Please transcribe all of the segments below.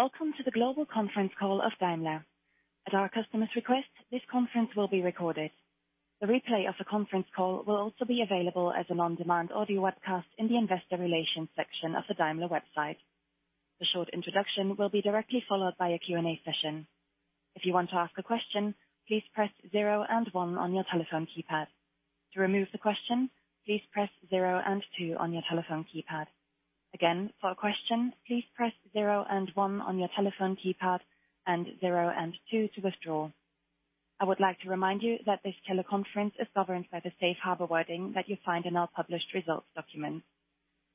Welcome to the global conference call of Daimler. At our customer's request, this conference will be recorded. The replay of the conference call will also be available as an on-demand audio webcast in the investor relations section of the Daimler website. The short introduction will be directly followed by a Q&A session. If you want to ask a question, please press zero and one on your telephone keypad. To remove the question, please press zero and two on your telephone keypad. Again, for a question, please press zero and one on your telephone keypad and zero and two to withdraw. I would like to remind you that this teleconference is governed by the safe harbor wording that you find in our published results document.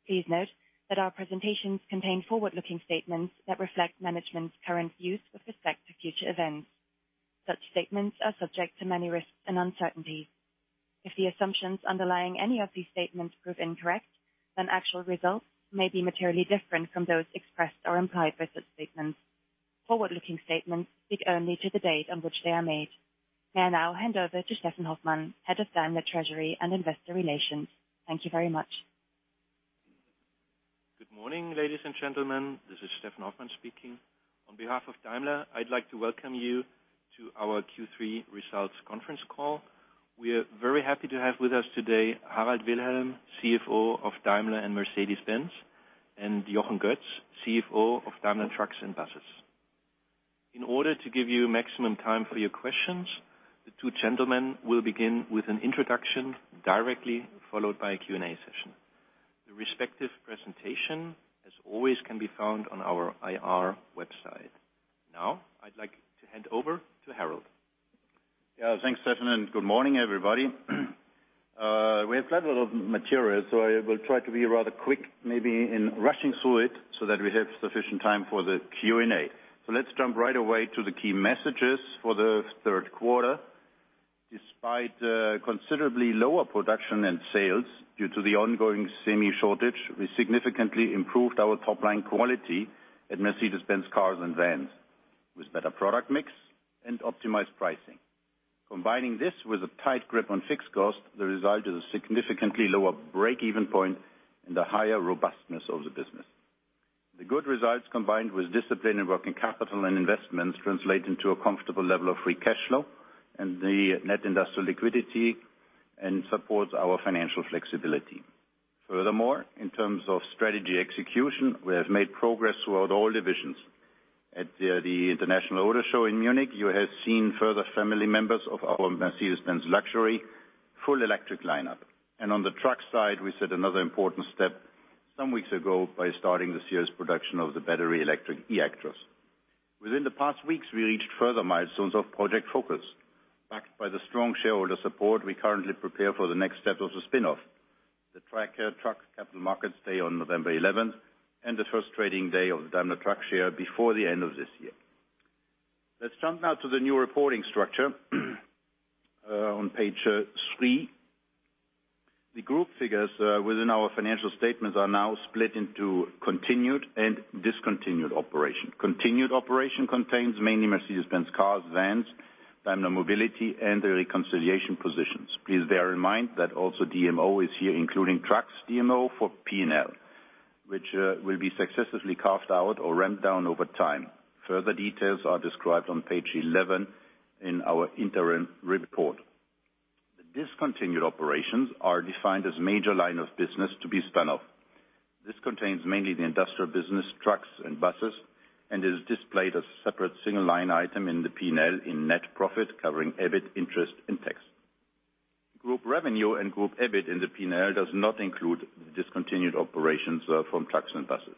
Please note that our presentations contain forward-looking statements that reflect management's current views with respect to future events. Such statements are subject to many risks and uncertainties. If the assumptions underlying any of these statements prove incorrect, then actual results may be materially different from those expressed or implied by such statements. Forward-looking statements speak only to the date on which they are made. May I now hand over to Steffen Hoffmann, Head of Daimler Treasury and Investor Relations. Thank you very much. Good morning, ladies and gentlemen. This is Steffen Hoffmann speaking. On behalf of Daimler, I'd like to welcome you to our Q3 results conference call. We are very happy to have with us today Harald Wilhelm, CFO of Daimler and Mercedes-Benz, and Jochen Goetz, CFO of Daimler Trucks & Buses. In order to give you maximum time for your questions, the two gentlemen will begin with an introduction directly followed by a Q&A session. The respective presentation, as always, can be found on our ir website. Now, I'd like to hand over to Harald. Yeah. Thanks, Steffen, and good morning, everybody. We have plenty of materials, so I will try to be rather quick, maybe in rushing through it so that we have sufficient time for the Q&A. Let's jump right away to the key messages for the third quarter. Despite considerably lower production and sales due to the ongoing semi shortage, we significantly improved our top line quality at Mercedes-Benz Cars & Vans with better product mix and optimized pricing. Combining this with a tight grip on fixed cost, the result is a significantly lower break-even point and a higher robustness of the business. The good results, combined with discipline in working capital and investments, translate into a comfortable level of free cash flow and the net industrial liquidity, and supports our financial flexibility. Furthermore, in terms of strategy execution, we have made progress throughout all divisions. At the International Auto Show in Munich, you have seen further family members of our Mercedes-Benz luxury full electric lineup. On the truck side, we set another important step some weeks ago by starting the series production of the battery electric eActros. Within the past weeks, we reached further milestones of Project Focus. Backed by the strong shareholder support, we currently prepare for the next step of the spin-off, the Daimler Truck Capital Markets Day on November 11th, and the first trading day of the Daimler Truck share before the end of this year. Let's jump now to the new reporting structure on page 3. The group figures within our financial statements are now split into continued and discontinued operation. Continued operation contains mainly Mercedes-Benz Cars & Vans, Daimler Mobility, and the reconciliation positions. Please bear in mind that also DMO is here, including Trucks DMO for P&L, which will be successfully carved out or ramped down over time. Further details are described on page 11 in our interim report. The discontinued operations are defined as major line of business to be spun off. This contains mainly the industrial business, trucks and buses, and is displayed as separate single line item in the P&L in net profit, covering EBIT, interest and tax. Group revenue and group EBIT in the P&L does not include the discontinued operations from trucks and buses.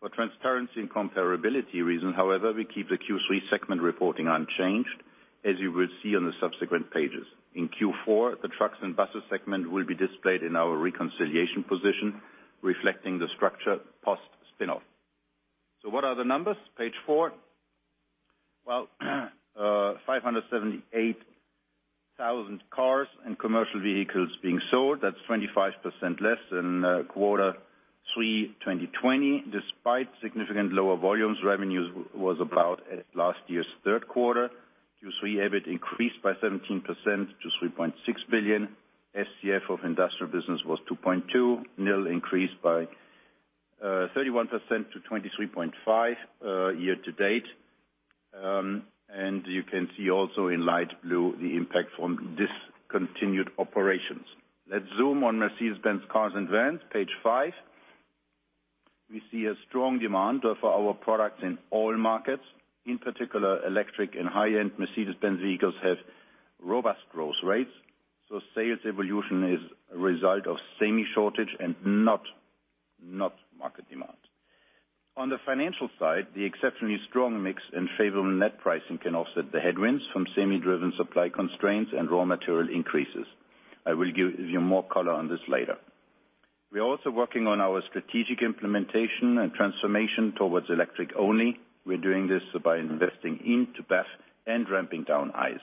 For transparency and comparability reasons, however, we keep the Q3 segment reporting unchanged, as you will see on the subsequent pages. In Q4, the trucks and buses segment will be displayed in our reconciliation position, reflecting the structure post-spin-off. What are the numbers? Page 4. Well, 578,000 cars and commercial vehicles being sold. That's 25% less than Q3 2020. Despite significantly lower volumes, revenues was about at last year's third quarter. Q3 EBIT increased by 17% to 3.6 billion. FCF of industrial business was 2.2. NIL increased by 31% to 23.5 year to date. You can see also in light blue the impact from discontinued operations. Let's zoom on Mercedes-Benz Cars and Vans, page five. We see a strong demand for our products in all markets. In particular, electric and high-end Mercedes-Benz vehicles have robust growth rates, so sales evolution is a result of semi shortage and not market demand. On the financial side, the exceptionally strong mix and favorable net pricing can offset the headwinds from semi-driven supply constraints and raw material increases. I will give you more color on this later. We are also working on our strategic implementation and transformation towards electric only. We're doing this by investing into batteries and ramping down ICE.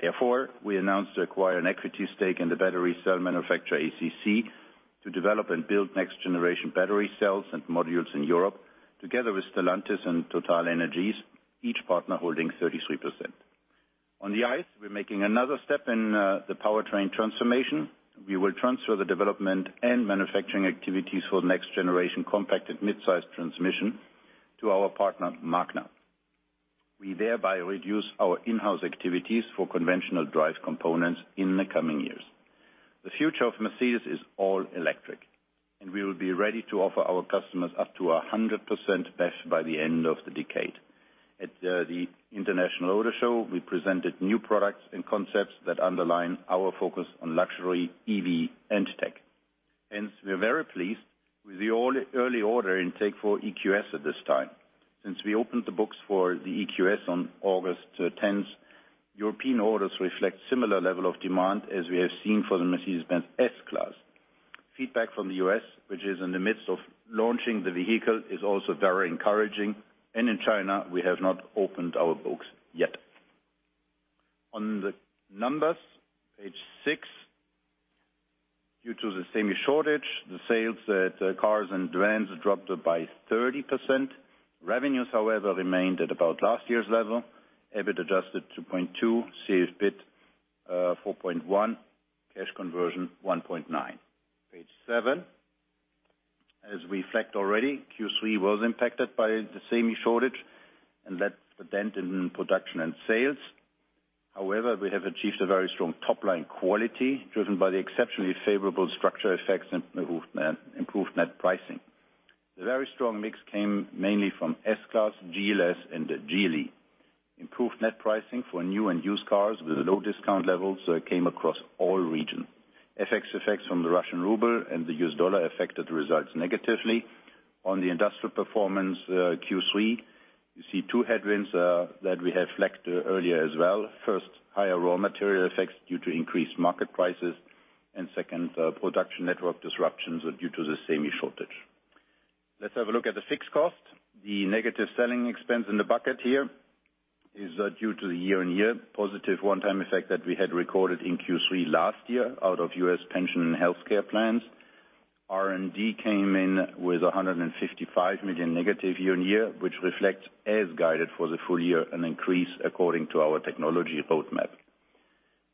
Therefore, we announced to acquire an equity stake in the battery cell manufacturer ACC to develop and build next-generation battery cells and modules in Europe together with Stellantis and TotalEnergies, each partner holding 33%. On the ICE, we're making another step in the powertrain transformation. We will transfer the development and manufacturing activities for next generation compacted mid-size transmission to our partner, Magna. We thereby reduce our in-house activities for conventional drive components in the coming years. The future of Mercedes is all electric, and we will be ready to offer our customers up to 100% BEV by the end of the decade. At the International Auto Show, we presented new products and concepts that underline our focus on luxury EV and tech. Hence, we are very pleased with the early order intake for EQS at this time. Since we opened the books for the EQS on August 10th, European orders reflect similar level of demand as we have seen for the Mercedes-Benz S-Class. Feedback from the U.S., which is in the midst of launching the vehicle, is also very encouraging. In China, we have not opened our books yet. On the numbers, page 6. Due to the semi shortage, the sales in Cars and Vans dropped by 30%. Revenues, however, remained at about last year's level. EBIT adjusted 2.2. Sales EBIT 4.1. Cash conversion 1.9. Page 7. As reflected already, Q3 was impacted by the semi shortage and left a dent in production and sales. However, we have achieved a very strong top-line quality, driven by the exceptionally favorable structural effects and improved net pricing. The very strong mix came mainly from S-Class, GLS and the GLE. Improved net pricing for new and used cars with low discount levels came across all regions. FX effects from the Russian ruble and the U.S. Dollar affected results negatively. On the industrial performance, Q3, you see two headwinds that we have reflected earlier as well. First, higher raw material effects due to increased market prices. Second, production network disruptions due to the semi shortage. Let's have a look at the fixed cost. The negative selling expense in the bucket here is due to the year on year positive one-time effect that we had recorded in Q3 last year out of U.S. pension and healthcare plans. R&D came in with 155 million negative year on year, which reflects, as guided for the full year, an increase according to our technology roadmap.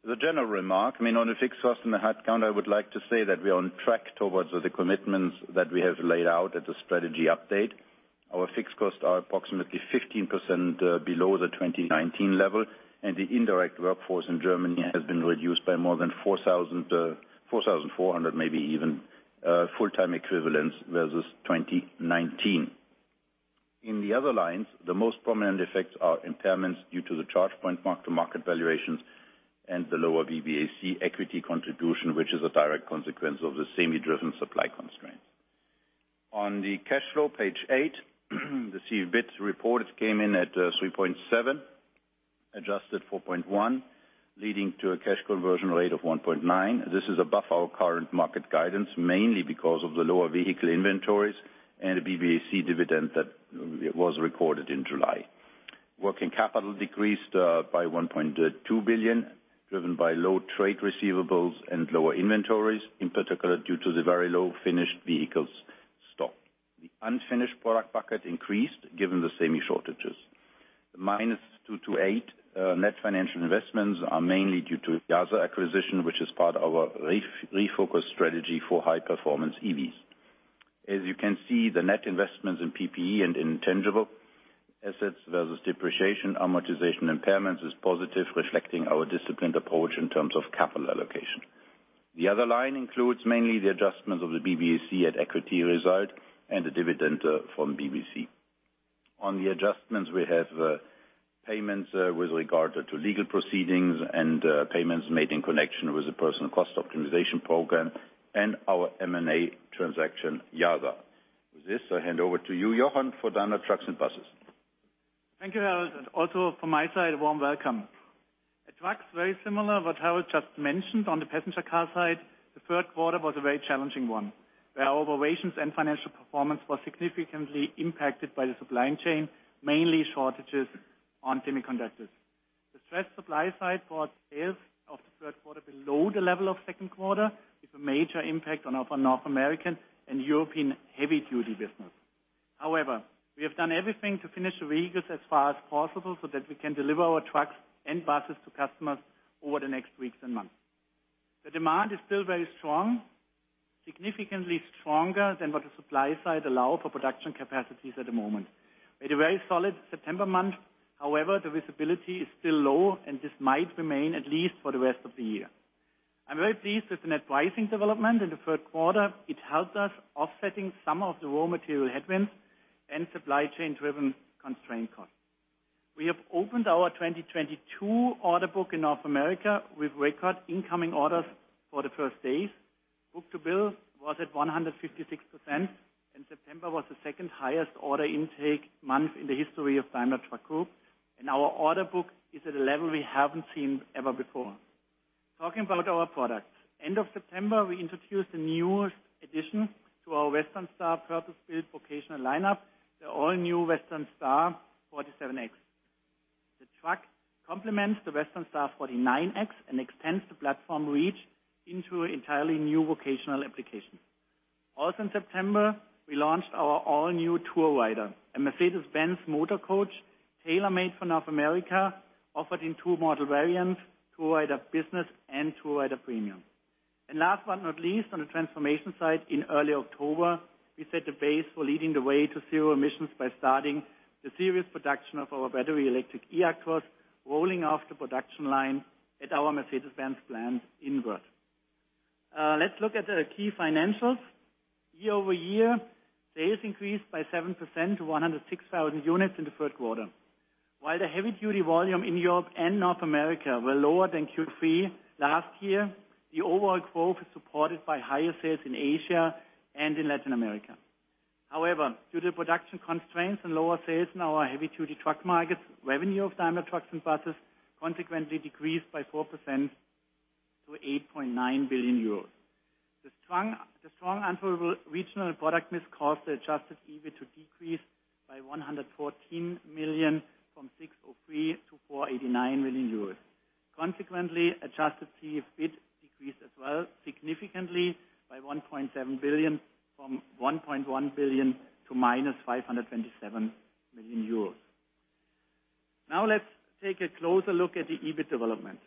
As a general remark, I mean, on the fixed cost and the headcount, I would like to say that we are on track towards the commitments that we have laid out at the strategy update. Our fixed costs are approximately 15% below the 2019 level, and the indirect workforce in Germany has been reduced by more than 4,400 full-time equivalents versus 2019. In the other lines, the most prominent effects are impairments due to the ChargePoint mark-to-market valuations and the lower BBAC equity contribution, which is a direct consequence of the semi-driven supply constraint. On the cash flow, page eight, the CFBIT report came in at 3.7, adjusted 4.1, leading to a cash conversion rate of 119%. This is above our current market guidance, mainly because of the lower vehicle inventories and the BBAC dividend that was recorded in July. Working capital decreased by 1.2 billion, driven by low trade receivables and lower inventories, in particular, due to the very low finished vehicles stock. The unfinished product bucket increased given the semi shortages. The -2 billion to -8 billion net financial investments are mainly due to the YASA acquisition, which is part of our refocus strategy for high-performance EVs. As you can see, the net investments in PPE and intangible assets versus depreciation, amortization, impairments is positive, reflecting our disciplined approach in terms of capital allocation. The other line includes mainly the adjustments of the BBAC at equity result and the dividend from BBAC. On the adjustments, we have payments with regard to legal proceedings and payments made in connection with the personnel cost optimization program and our M&A transaction, YASA. With this, I hand over to you, Jochen, for Daimler Trucks & Buses. Thank you, Harald. Also from my side, a warm welcome. At Trucks, very similar what Harald just mentioned on the passenger car side, the third quarter was a very challenging one, where our operations and financial performance was significantly impacted by the supply chain, mainly shortages on semiconductors. The stretched supply side brought sales of the third quarter below the level of second quarter, with a major impact on our North American and European heavy-duty business. However, we have done everything to finish the vehicles as far as possible so that we can deliver our trucks and buses to customers over the next weeks and months. The demand is still very strong, significantly stronger than what the supply side allow for production capacities at the moment. We had a very solid September month. However, the visibility is still low, and this might remain at least for the rest of the year. I'm very pleased with the net pricing development in the third quarter. It helped us offsetting some of the raw material headwinds and supply chain-driven constraint costs. We have opened our 2022 order book in North America with record incoming orders for the first days. Book to bill was at 156%, and September was the second highest order intake month in the history of Daimler Truck Group. Our order book is at a level we haven't seen ever before. Talking about our products. End of September, we introduced the newest addition to our Western Star purpose-built vocational lineup, the all-new Western Star 47X. The truck complements the Western Star 49X and extends the platform reach into entirely new vocational applications. Also in September, we launched our all-new Tourrider, a Mercedes-Benz motor coach tailor-made for North America, offered in two model variants, Tourrider Business and Tourrider Premium. Last but not least, on the transformation side, in early October, we set the base for leading the way to zero emissions by starting the series production of our battery-electric eActros rolling off the production line at our Mercedes-Benz plant in Wörth. Let's look at the key financials. Year-over-year, sales increased by 7% to 106,000 units in the third quarter. While the heavy-duty volume in Europe and North America were lower than Q3 last year, the overall growth is supported by higher sales in Asia and in Latin America. However, due to production constraints and lower sales in our heavy-duty truck markets, revenue of Daimler Trucks & Buses consequently decreased by 4% to 8.9 billion euros. The strong unfavorable regional product mix caused the adjusted EBIT to decrease by 114 million from 603 to 489 million euros. Consequently, adjusted CFBIT decreased as well, significantly by 1.7 billion from 1.1 billion to -527 million euros. Now, let's take a closer look at the EBIT development.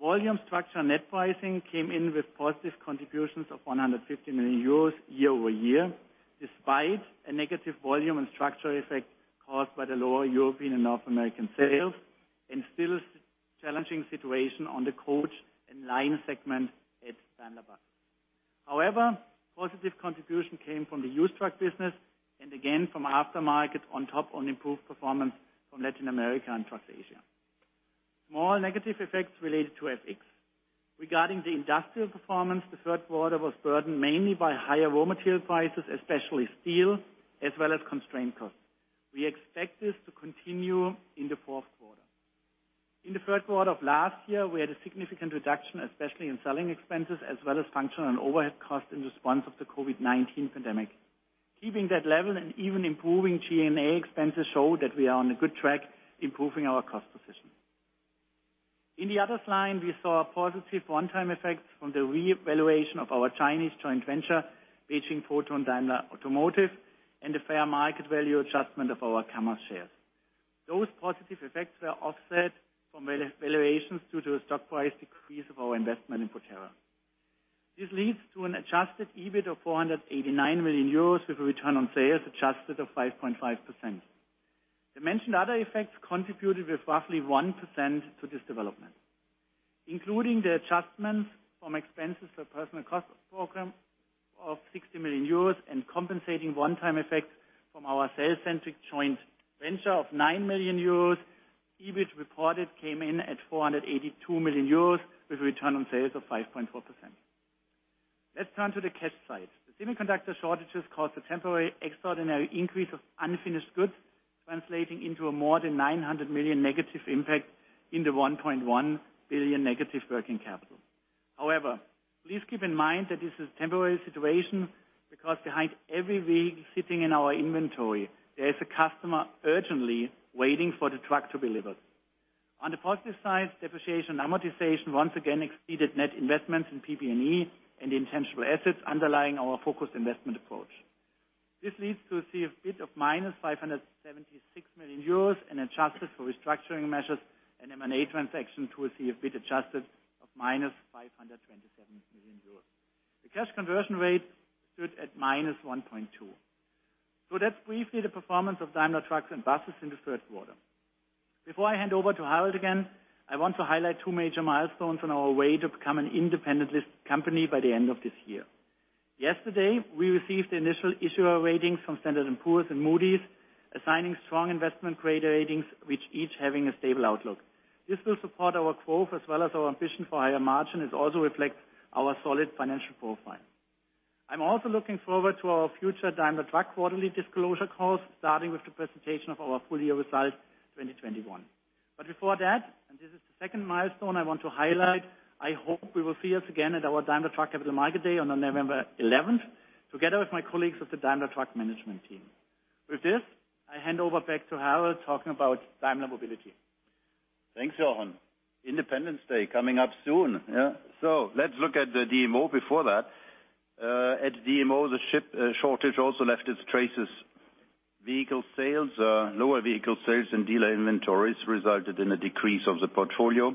Volume structure net pricing came in with positive contributions of 150 million euros year-over-year, despite a negative volume and structural effect caused by the lower European and North American sales and still challenging situation on the coach and line segment at Daimler Buses. However, positive contribution came from the used truck business and again, from aftermarket on top of improved performance from Latin America and across Asia. Small negative effects related to FX. Regarding the industrial performance, the third quarter was burdened mainly by higher raw material prices, especially steel, as well as constrained costs. We expect this to continue in the fourth quarter. In the third quarter of last year, we had a significant reduction, especially in selling expenses as well as functional and overhead costs in response to the COVID-19 pandemic. Keeping that level and even improving G&A expenses show that we are on a good track improving our cost position. In the other line, we saw a positive one-time effect from the revaluation of our Chinese joint venture, Beijing Foton Daimler Automotive, and the fair market value adjustment of our KAMAZ shares. Those positive effects were offset from valuations due to a stock price decrease of our investment in Proterra. This leads to an adjusted EBIT of 489 million euros with a return on sales adjusted of 5.5%. The mentioned other effects contributed with roughly 1% to this development. Including the adjustments from expenses for personnel cost program of 60 million euros and compensating one-time effects from our sales-centric joint venture of 9 million euros, EBIT reported came in at 482 million euros with return on sales of 5.4%. Let's turn to the cash side. The semiconductor shortages caused a temporary extraordinary increase of unfinished goods, translating into a more than 900 million negative impact in the 1.1 billion negative working capital. However, please keep in mind that this is temporary situation because behind every vehicle sitting in our inventory, there is a customer urgently waiting for the truck to be delivered. On the positive side, depreciation and amortization once again exceeded net investment in PP&E and the intangible assets underlying our focused investment approach. This leads to CFBIT of -576 million euros and adjusted for restructuring measures and M&A transaction to a CFBIT adjusted of -527 million euros. The cash conversion rate stood at -1.2. That's briefly the performance of Daimler Trucks & Buses in the first quarter. Before I hand over to Harald again, I want to highlight two major milestones on our way to become an independent company by the end of this year. Yesterday, we received the initial issuer ratings from Standard & Poor's and Moody's, assigning strong investment credit ratings, which each having a stable outlook. This will support our growth as well as our ambition for higher margin. It also reflects our solid financial profile. I'm also looking forward to our future Daimler Truck quarterly disclosure calls, starting with the presentation of our full year results 2021. Before that, and this is the second milestone I want to highlight, I hope you will see us again at our Daimler Truck Capital Market Day on November 11th, together with my colleagues of the Daimler Truck management team. With this, I hand over back to Harald, talking about Daimler Mobility. Thanks, Jochen. Independence Day coming up soon, yeah. Let's look at the DMO before that. At DMO, the chip shortage also left its traces. Lower vehicle sales and dealer inventories resulted in a decrease of the portfolio.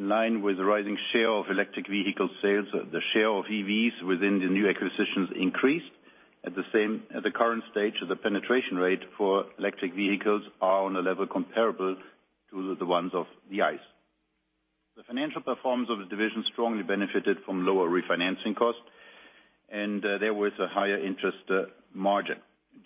In line with the rising share of electric vehicle sales, the share of EVs within the new acquisitions increased. At the current stage of the penetration rate for electric vehicles are on a level comparable to the ones of the ICE. The financial performance of the division strongly benefited from lower refinancing costs, and there was a higher interest margin.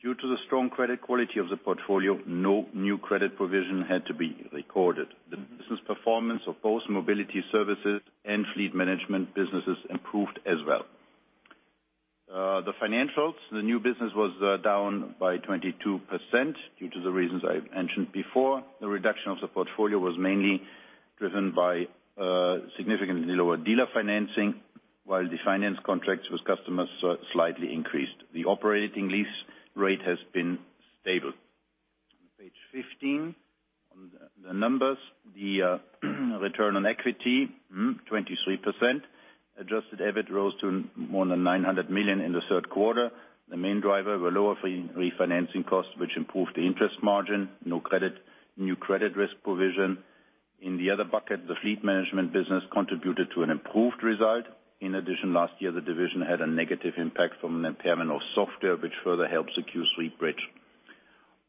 Due to the strong credit quality of the portfolio, no new credit provision had to be recorded. The business performance of both mobility services and fleet management businesses improved as well. The financials, the new business was down by 22% due to the reasons I mentioned before. The reduction of the portfolio was mainly driven by significantly lower dealer financing, while the finance contracts with customers slightly increased. The operating lease rate has been stable. Page 15. On the numbers, the return on equity 23%. Adjusted EBIT rose to more than 900 million in the third quarter. The main driver were lower re-refinancing costs which improved the interest margin, no new credit risk provision. In the other bucket, the fleet management business contributed to an improved result. In addition, last year, the division had a negative impact from an impairment of software which further helps Q3 bridge.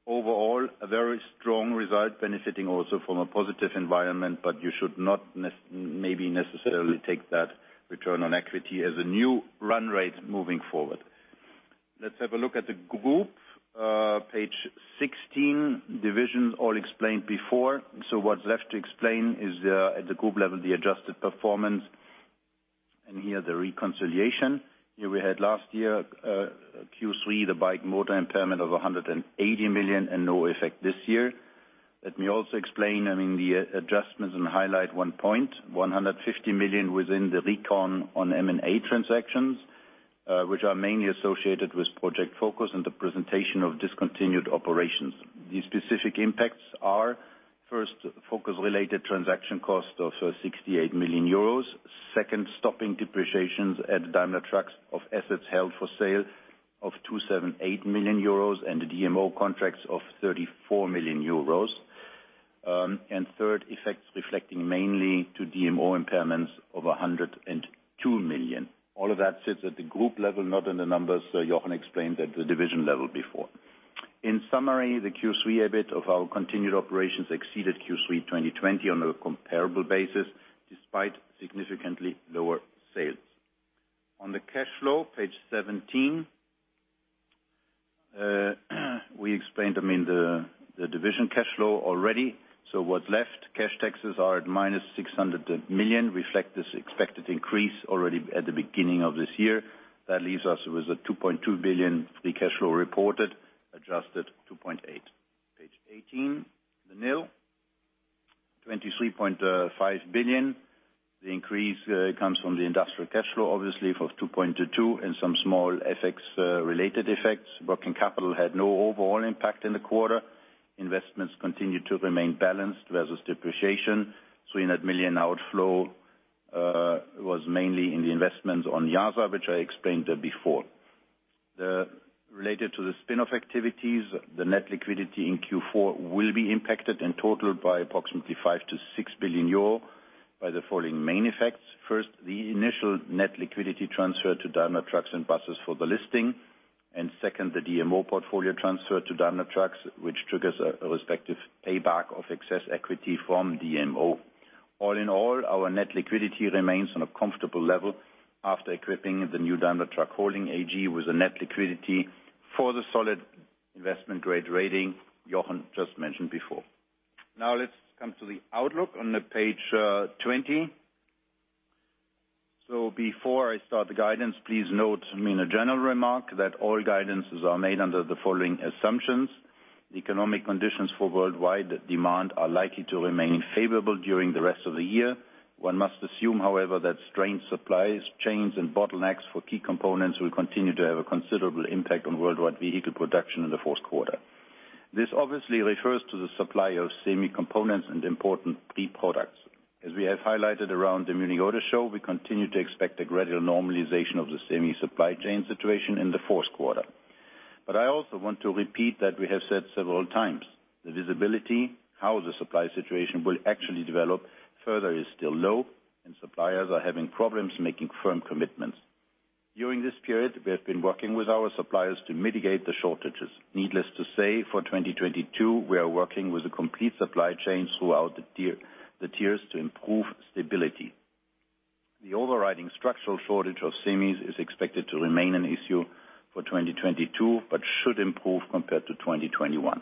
Overall, a very strong result benefiting also from a positive environment, but you should not necessarily take that return on equity as a new run rate moving forward. Let's have a look at the group. Page 16. Divisions all explained before. What's left to explain is the, at the group level, the adjusted performance, and here, the reconciliation. Here we had last year, Q3, the Aston Martin impairment of 180 million and no effect this year. Let me also explain, I mean, the adjustments and highlight one point. 150 million within the recon on M&A transactions, which are mainly associated with Project Focus and the presentation of discontinued operations. The specific impacts are, first, focus-related transaction cost of 68 million euros. Second, stopping depreciations at Daimler Trucks of assets held for sale of 278 million euros and the DMO contracts of 34 million euros. And third, effects reflecting mainly to DMO impairments of 102 million. All of that sits at the group level, not in the numbers, so Jochen explained at the division level before. In summary, the Q3 EBIT of our continued operations exceeded Q3 2020 on a comparable basis, despite significantly lower sales. On the cash flow, page 17. I mean, the the division cash flow already. So what's left, cash taxes are at -600 million, reflect this expected increase already at the beginning of this year. That leaves us with 2.2 billion, the cash flow reported, adjusted 2.8. Page 18, the NIL.EUR 23.5 Billion. The increase comes from the industrial cash flow, obviously, of 2.22 billion, and some small FX related effects. Working capital had no overall impact in the quarter. Investments continued to remain balanced versus depreciation. In that billion outflow, was mainly in the investments on YASA, which I explained before. Related to the spin-off activities, the net liquidity in Q4 will be impacted in total by approximately 5 billion-6 billion euro by the following main effects. First, the initial net liquidity transfer to Daimler Trucks & Buses for the listing. Second, the DMO portfolio transfer to Daimler Trucks, which triggers a respective payback of excess equity from DMO. All in all, our net liquidity remains on a comfortable level after equipping the new Daimler Truck Holding AG with a net liquidity for the solid investment-grade rating Jochen just mentioned before. Now, let's come to the outlook on the page 20. Before I start the guidance, please note, I mean, a general remark that all guidances are made under the following assumptions. The economic conditions for worldwide demand are likely to remain favorable during the rest of the year. One must assume, however, that strained supply chains and bottlenecks for key components will continue to have a considerable impact on worldwide vehicle production in the fourth quarter. This obviously refers to the supply of semi components and important pre-products. As we have highlighted around the IAA Mobility, we continue to expect a gradual normalization of the semi supply chain situation in the fourth quarter. I also want to repeat that we have said several times, the visibility, how the supply situation will actually develop further is still low, and suppliers are having problems making firm commitments. During this period, we have been working with our suppliers to mitigate the shortages. Needless to say, for 2022, we are working with a complete supply chain throughout the tiers to improve stability. The overriding structural shortage of semis is expected to remain an issue for 2022, but should improve compared to 2021.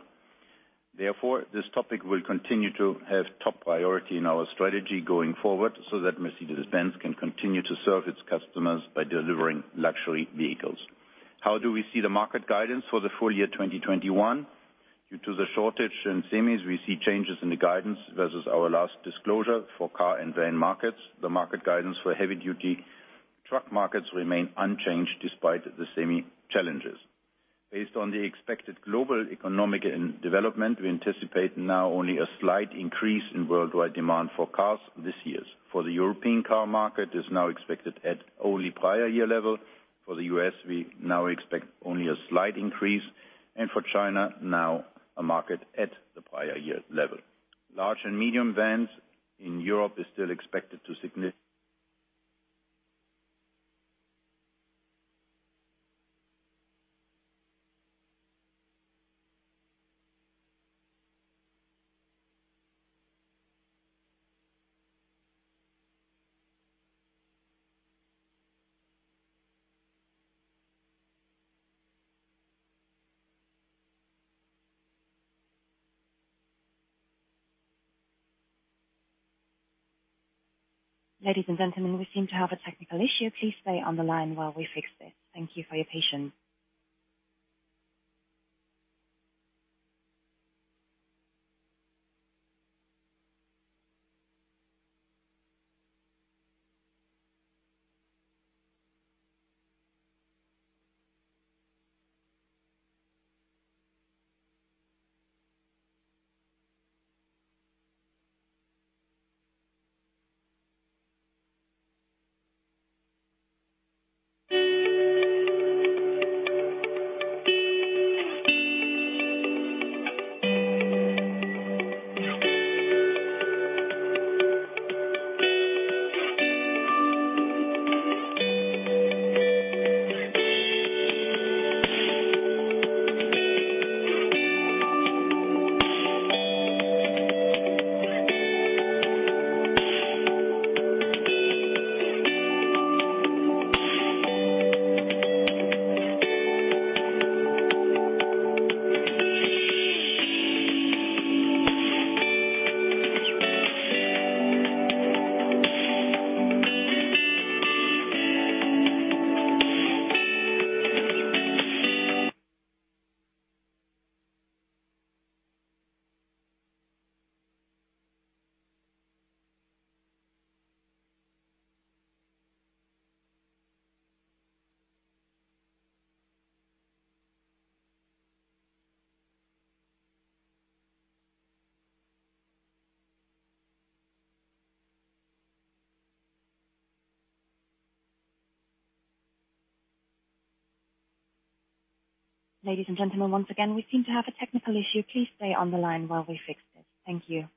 Therefore, this topic will continue to have top priority in our strategy going forward so that Mercedes-Benz can continue to serve its customers by delivering luxury vehicles. How do we see the market guidance for the full year 2021? Due to the shortage in semis, we see changes in the guidance versus our last disclosure for car and van markets. The market guidance for heavy-duty truck markets remain unchanged despite the semi challenges. Based on the expected global economic and development, we anticipate now only a slight increase in worldwide demand for cars this year. For the European car market, it is now expected at only prior-year level. For the U.S., we now expect only a slight increase, and for China, now a market at the prior-year level. Large and medium vans in Europe is still expected to signi- Ladies and gentlemen, we seem to have a technical issue. Please stay on the line while we fix this. Thank you for your patience. Ladies and gentlemen, once again, we seem to have a technical issue. Please stay on the line while we fix it. Thank you.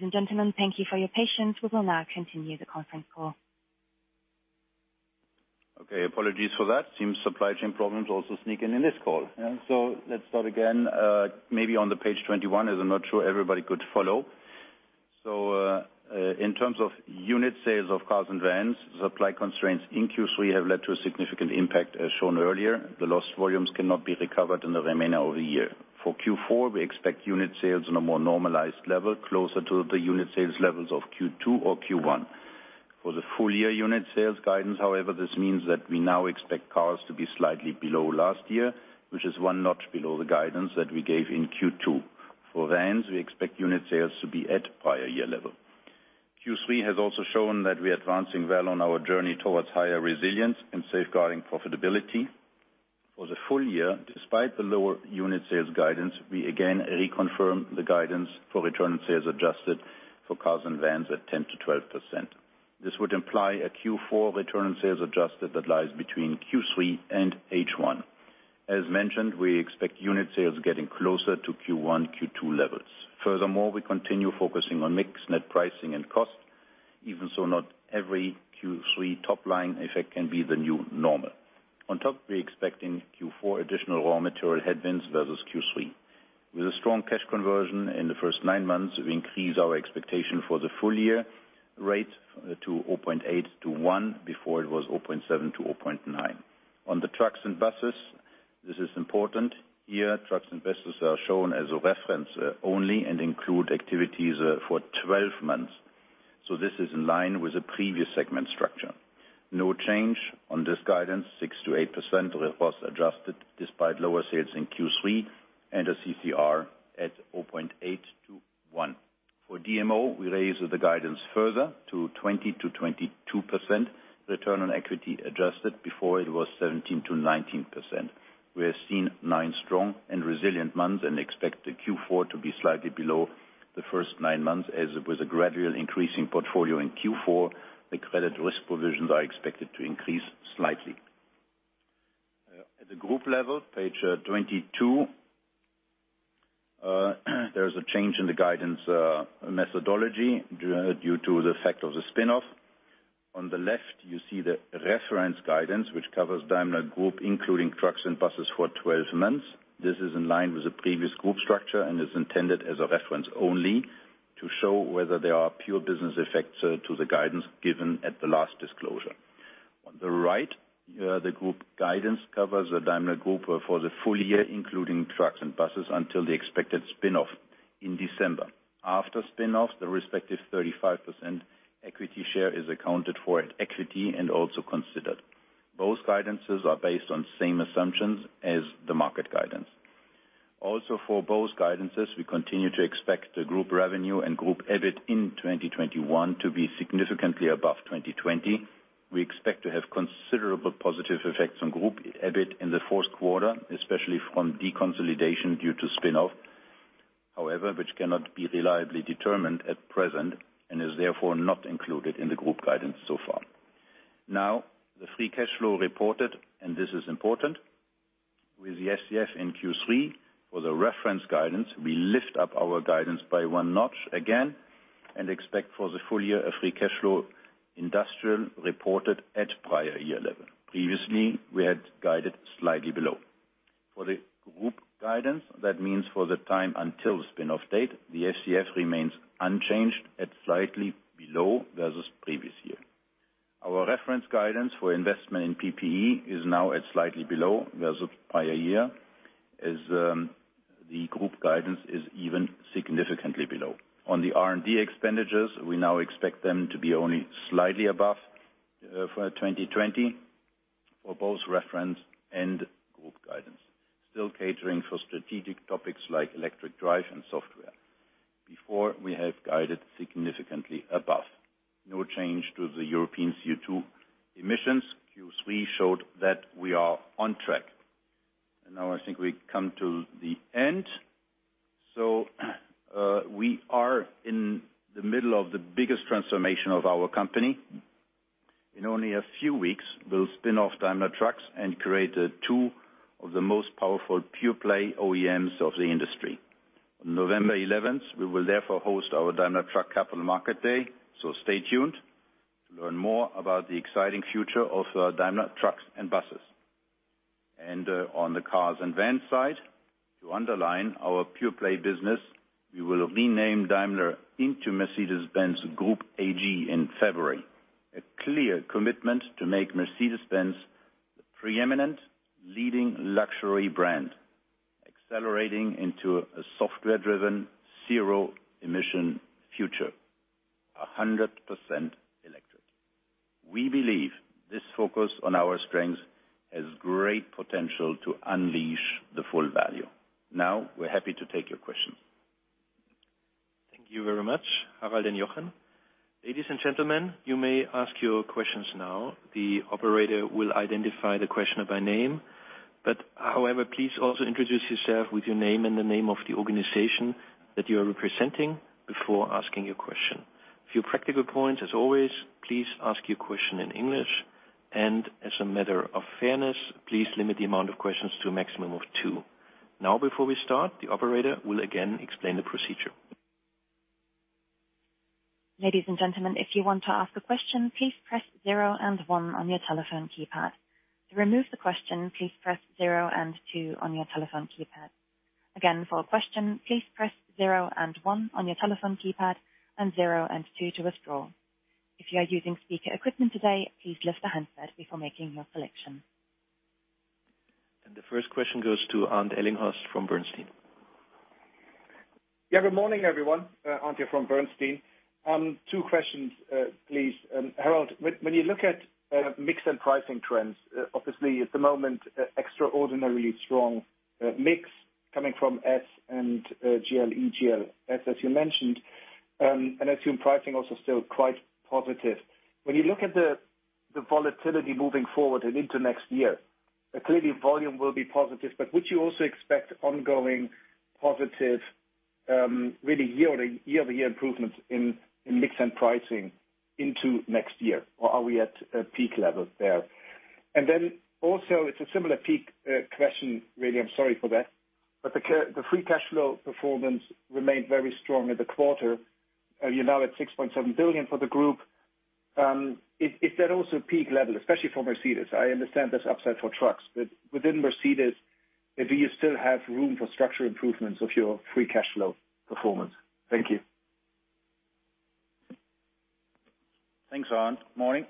Ladies and gentlemen, thank you for your patience. We will now continue the conference call. Okay. Apologies for that. Seems supply chain problems also sneak in in this call. Let's start again, maybe on the page 21, as I'm not sure everybody could follow. In terms of unit sales of cars and vans, supply constraints in Q3 have led to a significant impact as shown earlier. The lost volumes cannot be recovered in the remainder of the year. For Q4, we expect unit sales on a more normalized level, closer to the unit sales levels of Q2 or Q1. For the full year unit sales guidance, however, this means that we now expect cars to be slightly below last year, which is one notch below the guidance that we gave in Q2. For vans, we expect unit sales to be at prior year level. Q3 has also shown that we are advancing well on our journey towards higher resilience and safeguarding profitability. For the full year, despite the lower unit sales guidance, we again reconfirm the guidance for return on sales adjusted for cars and vans at 10%-12%. This would imply a Q4 return on sales adjusted that lies between Q3 and H1. As mentioned, we expect unit sales getting closer to Q1, Q2 levels. Furthermore, we continue focusing on mix net pricing and cost, even so, not every Q3 top line effect can be the new normal. On top, we're expecting Q4 additional raw material headwinds versus Q3. With a strong cash conversion in the first nine months, we increase our expectation for the full year rate to 0.8 to one. Before it was 0.7-0.9. On the trucks and buses, this is important. Here, trucks and buses are shown as a reference only and include activities for 12 months. This is in line with the previous segment structure. No change on this guidance. 6%-8% ROAS adjusted despite lower sales in Q3 and a CCR at 0.8 to one. For DMO, we raise the guidance further to 20%-22% return on equity adjusted. Before it was 17%-19%. We have seen nine strong and resilient months and expect the Q4 to be slightly below the first nine months. As with a gradual increase in portfolio in Q4, the credit risk provisions are expected to increase slightly. At the group level, page 22, there is a change in the guidance methodology due to the effect of the spin-off. On the left, you see the reference guidance, which covers Daimler Group, including trucks and buses for 12 months. This is in line with the previous group structure and is intended as a reference only to show whether there are pure business effects to the guidance given at the last disclosure. On the right, the group guidance covers the Daimler Group for the full year, including trucks and buses, until the expected spin-off in December. After spin-off, the respective 35% equity share is accounted for at equity and also considered. Both guidances are based on same assumptions as the market guidance. For both guidances, we continue to expect the group revenue and group EBIT in 2021 to be significantly above 2020. We expect to have considerable positive effects on group EBIT in the fourth quarter, especially from deconsolidation due to spin-off, which cannot be reliably determined at present and is therefore not included in the group guidance so far. Now, the free cash flow reported, and this is important, with the FCF in Q3 for the reference guidance, we lift up our guidance by one notch again and expect for the full year a free cash flow industrial reported at prior year level. Previously, we had guided slightly below. For the group guidance, that means for the time until spin-off date, the FCF remains unchanged at slightly below versus previous year. Our reference guidance for investment in PPE is now at slightly below versus prior year, as the group guidance is even significantly below. On the R&D expenditures, we now expect them to be only slightly above for 2020 for both reference and group guidance, still catering for strategic topics like electric drive and software. Before, we have guided significantly above. No change to the European CO2 emissions. Q3 showed that we are on track. Now I think we come to the end. We are in the middle of the biggest transformation of our company. In only a few weeks, we'll spin off Daimler Trucks and create two of the most powerful pure-play OEMs of the industry. On November 11th, we will therefore host our Daimler Truck Capital Markets Day, so stay tuned to learn more about the exciting future of Daimler Trucks & Buses. On the cars and vans side, to underline our pure-play business, we will rename Daimler into Mercedes-Benz Group AG in February, a clear commitment to make Mercedes-Benz the preeminent leading luxury brand, accelerating into a software-driven zero-emission future, 100% electric. We believe this focus on our strengths has great potential to unleash the full value. Now, we're happy to take your questions. Thank you very much, Harald and Jochen. Ladies and gentlemen, you may ask your questions now. The operator will identify the questioner by name, but however, please also introduce yourself with your name and the name of the organization that you are representing before asking your question. A few practical points. As always, please ask your question in English, and as a matter of fairness, please limit the amount of questions to a maximum of two. Now, before we start, the operator will again explain the procedure. Ladies and gentlemen, if you want to ask a question, please press zero and one on your telephone keypad. To remove the question, please press zero and two on your telephone keypad. Again, for a question, please press zero and one on your telephone keypad and zero and two to withdraw. If you are using speaker equipment today, please lift the handset before making your selection. The first question goes to Arndt Ellinghorst from Bernstein. Good morning, everyone. Arndt here from Bernstein. Two questions, please. Harald, when you look at mix and pricing trends, obviously at the moment, extraordinarily strong mix coming from S and GLE, GLS, as you mentioned, and I assume pricing also still quite positive. When you look at the volatility moving forward and into next year, clearly volume will be positive, but would you also expect ongoing positive year-over-year improvements in mix and pricing into next year? Or are we at a peak level there? Then also, it's a similar peak question, really. I'm sorry for that. The free cash flow performance remained very strong in the quarter. You're now at 6.7 billion for the group. Is that also peak level, especially for Mercedes? I understand there's upside for trucks, but within Mercedes, if you still have room for structural improvements of your free cash flow performance. Thank you. Thanks, Arndt. Morning.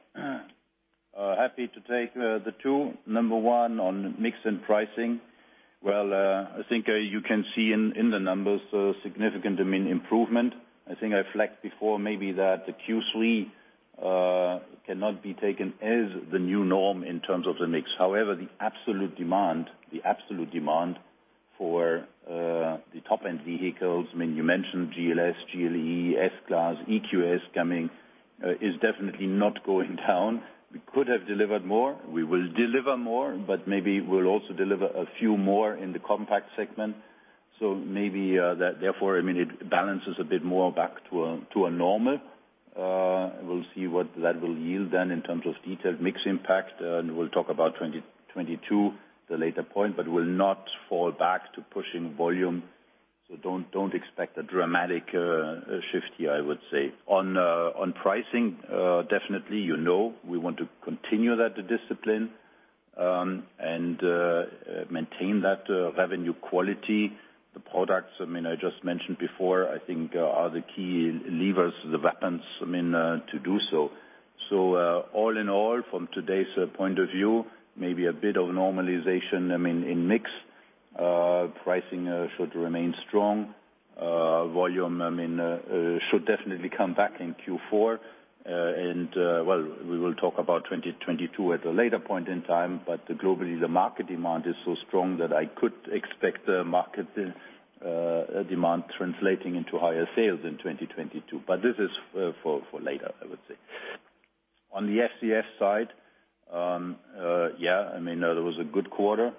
Happy to take the two. Number one on mix and pricing. Well, I think you can see in the numbers a significant demand improvement. I think I flagged before maybe that the Q3 cannot be taken as the new norm in terms of the mix. However, the absolute demand for the top-end vehicles, I mean, you mentioned GLS, GLE, S-Class, EQS coming, is definitely not going down. We could have delivered more. We will deliver more, but maybe we'll also deliver a few more in the compact segment. Maybe that therefore, I mean, it balances a bit more back to a normal. We'll see what that will yield then in detailed mix impact, and we'll talk about 2022 at a later point, but will not fall back to pushing volume. Don't expect a dramatic shift here, I would say. On pricing, definitely, you know, we want to continue that discipline and maintain that revenue quality. The products, I mean, I just mentioned before, I think are the key levers, the weapons, I mean, to do so. All in all, from today's point of view, maybe a bit of normalization, I mean, in mix. Pricing should remain strong. Volume, I mean, should definitely come back in Q4. Well, we will talk about 2022 at a later point in time, but globally, the market demand is so strong that I could expect the market demand translating into higher sales in 2022. This is for later, I would say. On the FCF side, yeah, I mean, there was a good quarter.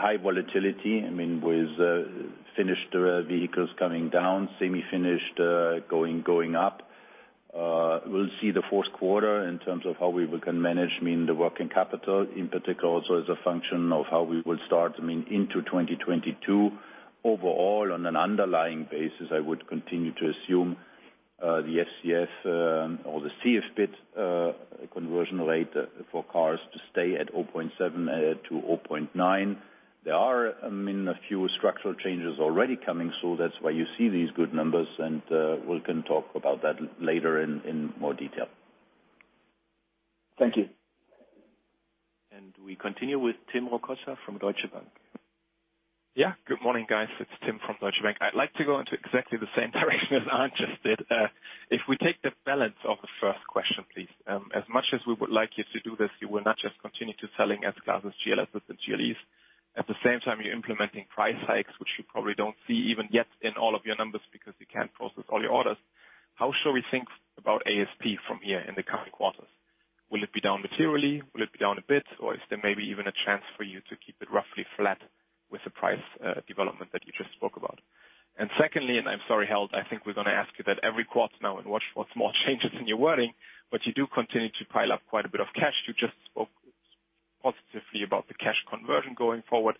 High volatility, I mean, with finished vehicles coming down, semi-finished going up. We'll see the fourth quarter in terms of how we can manage the working capital in particular also as a function of how we will start into 2022. Overall, on an underlying basis, I would continue to assume the FCF or the CFBIT conversion rate for cars to stay at 0.7-0.9. There are a few structural changes already coming, so that's why you see these good numbers, and we can talk about that later in more detail. Thank you. We continue with Tim Rokossa from Deutsche Bank. Yeah. Good morning, guys. It's Tim from Deutsche Bank. I'd like to go into exactly the same direction as Ange just did. If we take the balance of the first question, please, as much as we would like you to do this, you will not just continue to selling S-Classes, GLSs, and GLEs. At the same time, you're implementing price hikes, which you probably don't see even yet in all of your numbers because you can't process all your orders. How should we think about ASP from here in the coming quarters? Will it be down materially? Will it be down a bit, or is there maybe even a chance for you to keep it roughly flat with the price development that you just spoke about? Secondly, and I'm sorry, Harald, I think we're gonna ask you that every quarter now and watch what small changes in your wording, but you do continue to pile up quite a bit of cash. You just spoke positively about the cash conversion going forward.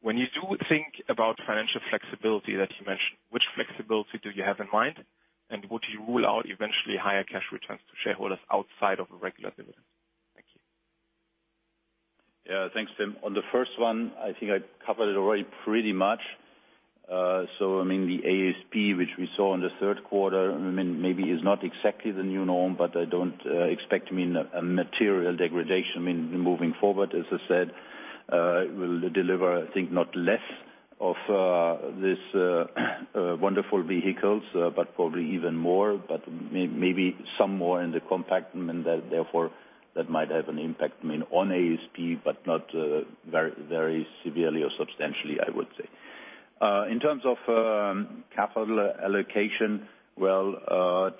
When you do think about financial flexibility that you mentioned, which flexibility do you have in mind? Would you rule out eventually higher cash returns to shareholders outside of a regular dividend? Thank you. Yeah. Thanks, Tim. On the first one, I think I covered it already pretty much. So I mean, the ASP, which we saw in the third quarter, I mean, maybe is not exactly the new norm, but I don't expect, I mean, a material degradation, I mean, moving forward. As I said, we'll deliver, I think, not less of this wonderful vehicles, but probably even more, but maybe some more in the compact. Then, therefore, that might have an impact, I mean, on ASP, but not very, very severely or substantially, I would say. In terms of capital allocation, well,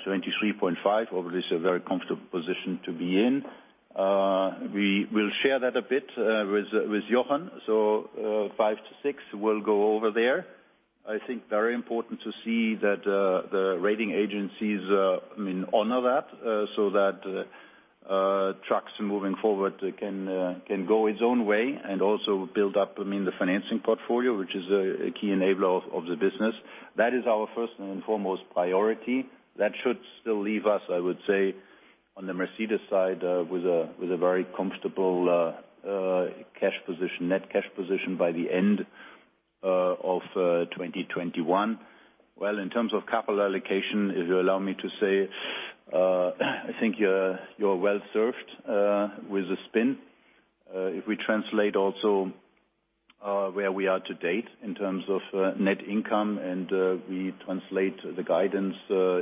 23.5, obviously a very comfortable position to be in. We will share that a bit with Jochen. By six will go over there. I think it's very important to see that, the rating agencies, I mean, honor that, so that trucks moving forward can go its own way and also build up, I mean, the financing portfolio, which is a key enabler of the business. That is our first and foremost priority. That should still leave us, I would say, on the Mercedes side, with a very comfortable cash position, net cash position by the end of 2021. Well, in terms of capital allocation, if you allow me to say, I think you're well served with the spin. If we translate also where we are to date in terms of net income, and we translate the guidance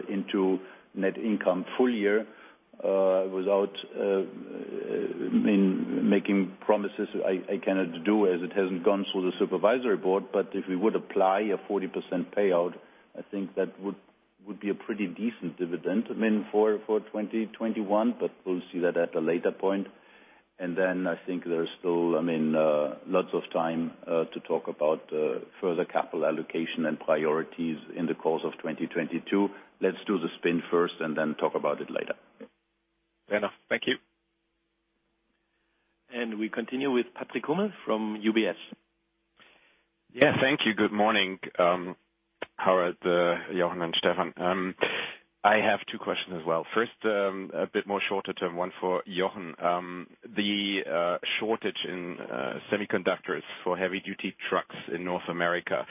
into net income full year, without I mean making promises I cannot do as it hasn't gone through the supervisory board. If we would apply a 40% payout, I think that would be a pretty decent dividend, I mean, for 2021, but we'll see that at a later point. Then I think there is still I mean lots of time to talk about further capital allocation and priorities in the course of 2022. Let's do the spin first and then talk about it later. Fair enough. Thank you. We continue with Patrick Hummel from UBS. Yeah. Thank you. Good morning, Harald, Jochen, and Steffen. I have two questions as well. First, a bit more shorter term, one for Jochen. The shortage in semiconductors for heavy duty trucks in North America.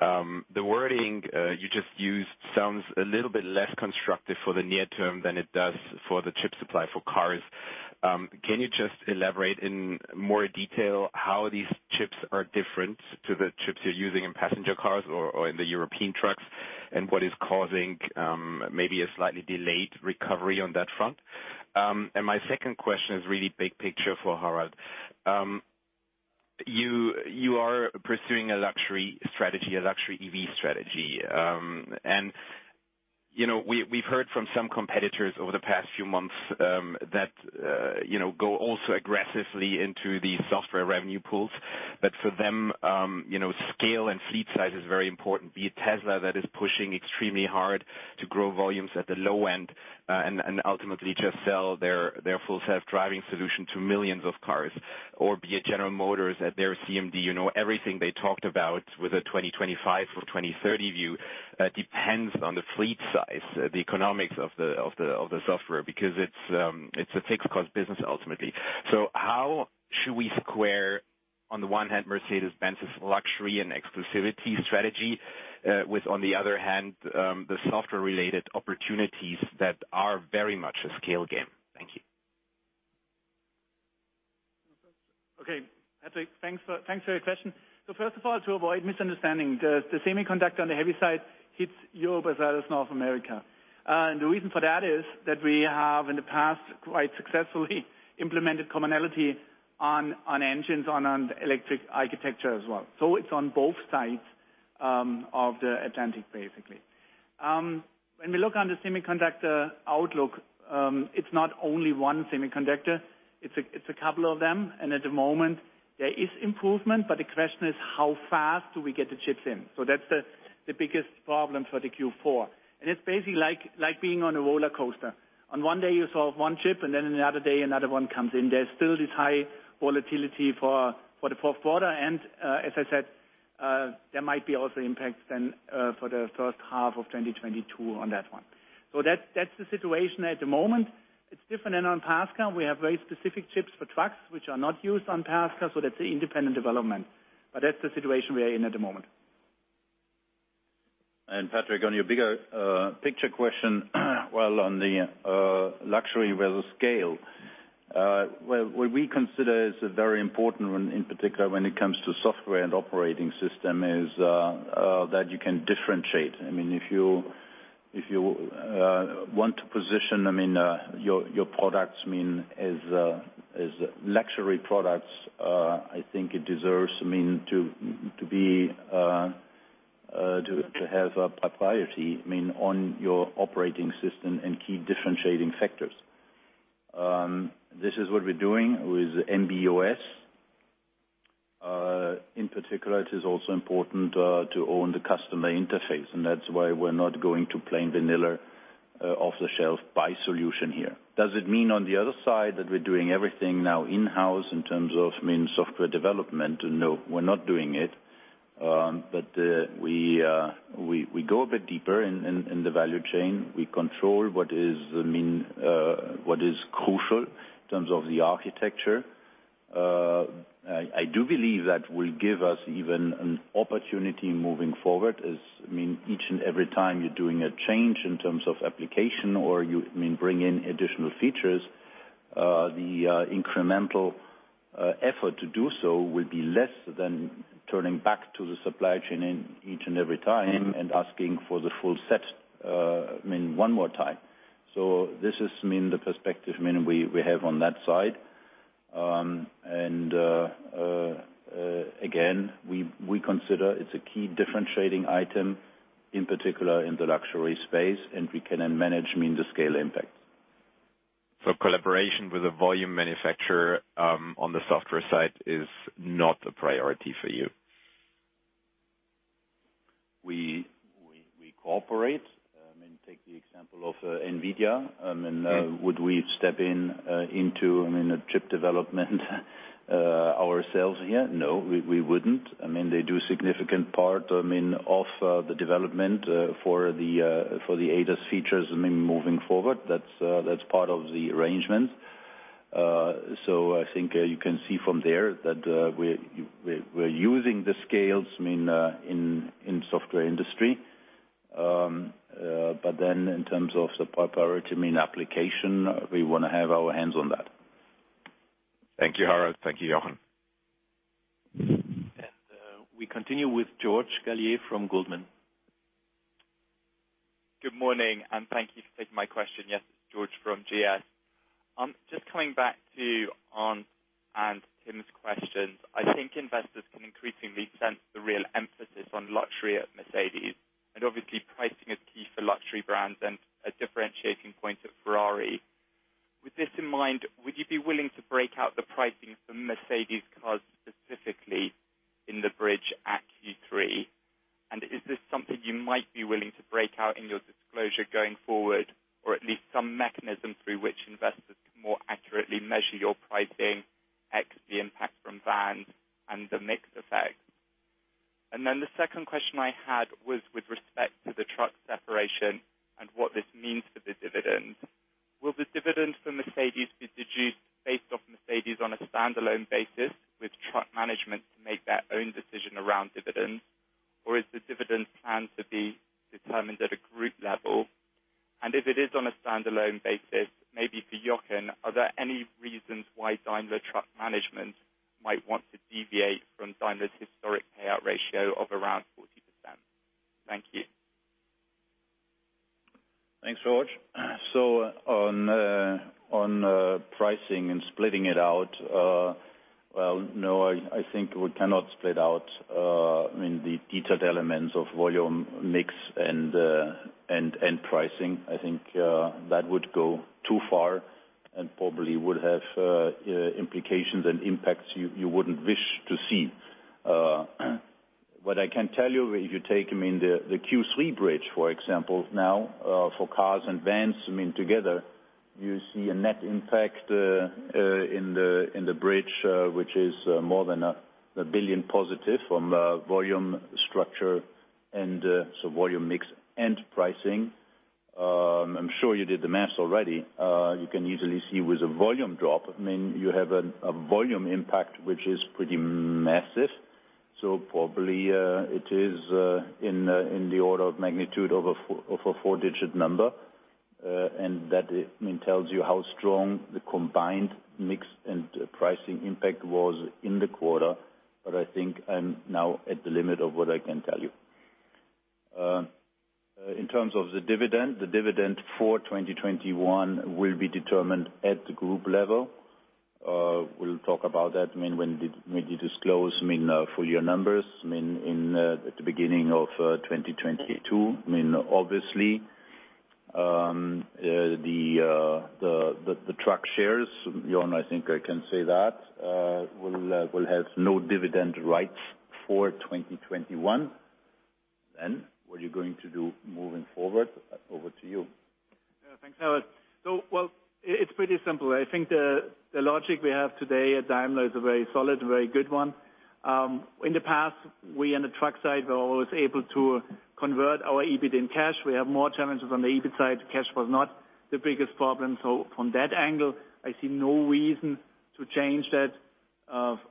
The wording you just used sounds a little bit less constructive for the near term than it does for the chip supply for cars. Can you just elaborate in more detail how these chips are different to the chips you're using in passenger cars or in the European trucks, and what is causing maybe a slightly delayed recovery on that front? And my second question is really big picture for Harald. You are pursuing a luxury strategy, a luxury EV strategy. You know, we've heard from some competitors over the past few months, you know, go also aggressively into the software revenue pools. But for them, you know, scale and fleet size is very important. Be it Tesla, that is pushing extremely hard to grow volumes at the low end, and ultimately just sell their full self-driving solution to millions of cars. Or be it General Motors at their CMD. You know, everything they talked about with a 2025 or 2030 view depends on the fleet size, the economics of the software, because it's a fixed cost business ultimately. So how should we square, on the one hand, Mercedes-Benz's luxury and exclusivity strategy, with, on the other hand, the software related opportunities that are very much a scale game? Thank you. Okay. Patrick, thanks for your question. First of all, to avoid misunderstanding, the semiconductor on the heavy side hits Europe as well as North America. The reason for that is that we have in the past quite successfully implemented commonality on engines on an electric architecture as well. It's on both sides of the Atlantic, basically. When we look on the semiconductor outlook, it's not only one semiconductor, it's a couple of them. At the moment there is improvement, but the question is how fast do we get the chips in? That's the biggest problem for the Q4. It's basically like being on a rollercoaster. On one day, you solve one chip, and then another day another one comes in. There's still this high volatility for the fourth quarter. As I said, there might be also impacts then for the first half of 2022 on that one. That's the situation at the moment. It's different than on passenger cars. We have very specific chips for trucks which are not used on passenger cars, so that's an independent development. That's the situation we are in at the moment. Patrick, on your bigger picture question, well, on the luxury versus scale. What we consider is very important when, in particular, when it comes to software and operating system is that you can differentiate. I mean, if you want to position, I mean, your products, I mean, as luxury products, I think it deserves, I mean, to have a proprietary on your operating system and key differentiating factors. This is what we're doing with MB.OS. In particular, it is also important to own the customer interface, and that's why we're not going to plain vanilla off-the-shelf buy solution here. Does it mean on the other side that we're doing everything now in-house in terms of, I mean, software development? No, we're not doing it. We go a bit deeper in the value chain. We control what is, I mean, what is crucial in terms of the architecture. I do believe that will give us even an opportunity moving forward as, I mean, each and every time you're doing a change in terms of application or you, I mean, bring in additional features, the incremental effort to do so will be less than turning back to the supply chain and each and every time and asking for the full set, I mean, one more time. This is, I mean, the perspective, I mean, we have on that side. Again, we consider it's a key differentiating item, in particular, in the luxury space, and we can then manage, I mean, the scale impact. Collaboration with a volume manufacturer, on the software side is not a priority for you. We cooperate. I mean, take the example of Nvidia. I mean, would we step into a chip development ourselves here? No, we wouldn't. I mean, they do significant part, I mean, of the development for the ADAS features, I mean, moving forward. That's part of the arrangement. I think you can see from there that we're using the scale in software industry. In terms of the priority, I mean application, we wanna have our hands on that. Thank you, Harald. Thank you, Jochen. We continue with George Galliers from Goldman. Good morning, and thank you for taking my question. Yes, it's George from GS. Just coming back to Ange and Tim's questions, I think investors can increasingly sense the real emphasis on luxury at Mercedes, and obviously pricing is key for luxury brands and a differentiating point at Ferrari. With this in mind, would you be willing to break out the pricing for Mercedes cars specifically in the bridge at Q3? And is this something you might be willing to break out in your disclosure going forward, or at least some mechanism through which investors can more accurately measure your pricing, ex the impact from vans and the mix effect? And then the second question I had was with respect to the truck separation and what this means for the dividends. Will the dividends for Mercedes be deduced based off Mercedes on a standalone basis with truck management to make their own decision around dividends? Or is the dividend plan to be determined at a group level? If it is on a standalone basis, maybe for Jochen, are there any reasons why Daimler Truck management might want to deviate from Daimler's historic payout ratio of around 40%? Thank you. Thanks, George. On pricing and splitting it out, well, no, I think we cannot split out, I mean, the detailed elements of volume mix and pricing. I think that would go too far and probably would have implications and impacts you wouldn't wish to see. What I can tell you, if you take, I mean, the Q3 bridge, for example, now, for cars and vans, I mean, together, you see a net impact in the bridge, which is more than 1 billion positive from volume structure and so volume mix and pricing. I'm sure you did the math already. You can easily see with a volume drop, I mean, you have a volume impact which is pretty massive. Probably, it is in the order of magnitude of a four-digit number. That, I mean, tells you how strong the combined mix and pricing impact was in the quarter. I think I'm now at the limit of what I can tell you. In terms of the dividend, the dividend for 2021 will be determined at the group level. We'll talk about that, I mean, when we disclose, I mean, full year numbers, I mean, at the beginning of 2022. I mean, obviously, the truck shares, Jochen, I think I can say that, will have no dividend rights for 2021. What are you going to do moving forward? Over to you. Thanks, Harald. It's pretty simple. I think the logic we have today at Daimler is a very solid, very good one. In the past, we on the truck side were always able to convert our EBIT in cash. We have more challenges on the EBIT side. Cash was not the biggest problem. From that angle, I see no reason to change that,